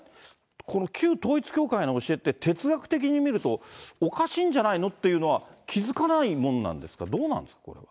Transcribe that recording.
この旧統一教会の教えって、哲学的に見るとおかしいんじゃないのっていうのは、気付かないものなんですか？